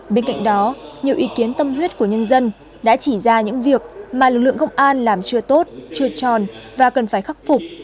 bên cạnh đó nhiều ý kiến tâm huyết của nhân dân đã chỉ ra những việc mà lực lượng công an làm chưa tốt chưa tròn và cần phải khắc phục